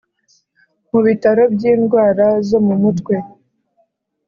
mu Bitaro by indwara zo mumutwe